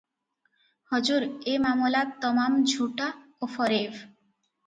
"ହଜୁର ଏ ମାମଲା ତମାମ ଝୁଠା ଓ ଫରେବ ।